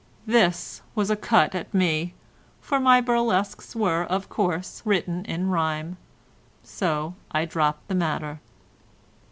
This was a cut at me, for my burlesques were, of course, written in rhyme. So I dropped the matter.